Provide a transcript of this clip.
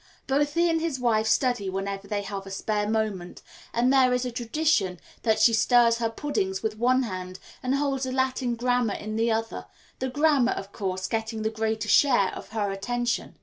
Both he and his wife study whenever they have a spare moment, and there is a tradition that she stirs her puddings with one hand and holds a Latin grammar in the other, the grammar, of course, getting the greater share of her attention.